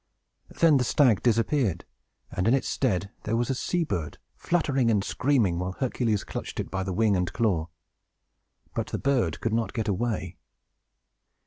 Then the stag disappeared, and in its stead there was a sea bird, fluttering and screaming, while Hercules clutched it by the wing and claw! But the bird could not get away.